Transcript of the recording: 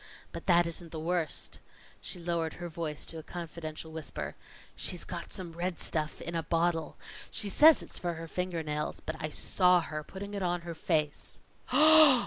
But that isn't the worst." She lowered her voice to a confidential whisper. "She's got some red stuff in a bottle. She says it's for her finger nails, but I saw her putting it on her face."